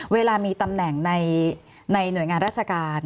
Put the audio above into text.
เวลามีตำแหน่งในหน่วยงานราชการ